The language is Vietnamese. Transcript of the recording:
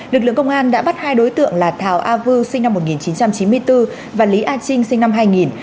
lực lượng công an đã bắt hai đối tượng là thảo a vư sinh năm một nghìn chín trăm chín mươi bốn và lý a trinh sinh năm hai nghìn